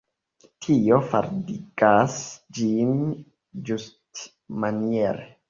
Tio faldigas ĝin ĝustmaniere.